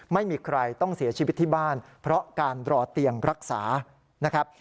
ไม่มีใครต้องเสียชีวิตที่บ้านเพราะการรอเตียงรักษานะครับ